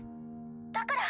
だから。